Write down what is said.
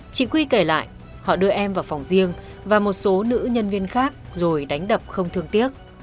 chị quy kể lại họ đưa em vào phòng riêng và một số nữ nhân viên khác rồi đánh đập không thương tiếc